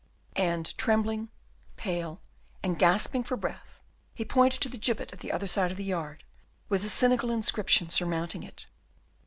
And, trembling, pale, and gasping for breath, he pointed to the gibbet at the other side of the yard, with the cynical inscription surmounting it.